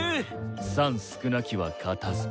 算少なきは勝たず。